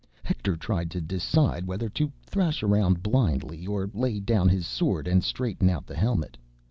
Hector tried to decide whether to thrash around blindly or lay down his sword and straighten out the helmet.